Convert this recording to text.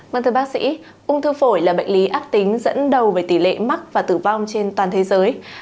vâng thưa bác sĩ ung thư phổi là bệnh lý ác tính dẫn đầu về tỷ lệ mắc và tử vong trên toàn thế giới